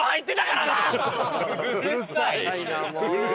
うるさいなもう！